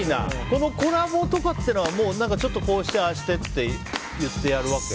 このコラボとかってのはちょっとこうしてああしてって言ってやるわけ？